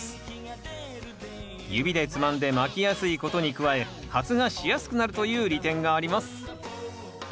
指でつまんでまきやすいことに加え発芽しやすくなるという利点があります。